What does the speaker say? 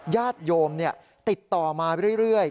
ญาติโยมติดต่อมาเรื่อย